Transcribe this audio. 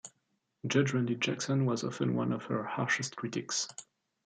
Judge Randy Jackson was often one of her harshest critics.